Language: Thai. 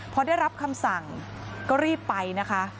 พอได้รับคำสั่งก็รีบไปนะคะ